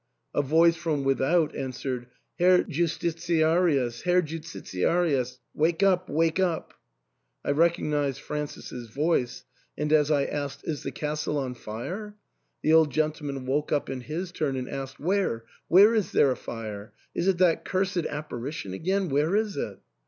A voice from without an swered, " Herr Justitiarius, Herr Justitiarius, wake up, wake up !" I recognised Francis's voice, and as I asked, " Is the castle on fire ?" the old gentleman woke up in his turn and asked, "Where — where is there a fire ? Is it that cursed apparition again ? where is it